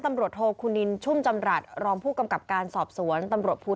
ตำรวจโทคุณินชุ่มจำรัฐรองผู้กำกับการสอบสวนตำรวจภูทร